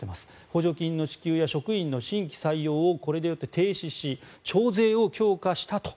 補助金の支給や職員の新規採用をこれで停止し徴税を強化したと。